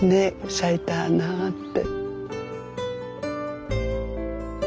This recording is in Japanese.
咲いたなあって。